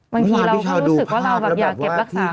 มันคือเราก็รู้สึกว่าเราอยากเก็บรักษาเฮาไว้